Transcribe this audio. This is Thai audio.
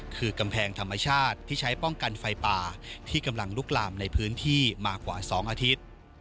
คือกำแพงธรรมชาติที่ใช้ป้องกันไฟป่าที่กำลังลุกลามในพื้นที่มากว่า๒อาทิตย์